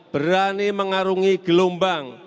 berani mengarungi gelombang